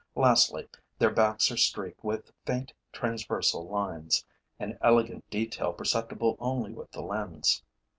Lastly, their backs are streaked with faint transversal lines, an elegant detail perceptible only with the lens.